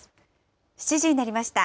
７時になりました。